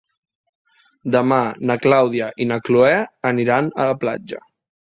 Demà na Clàudia i na Cloè aniran a la platja.